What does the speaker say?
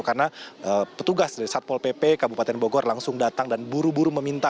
karena petugas dari satpol pp kabupaten bogor langsung datang dan buru buru meminta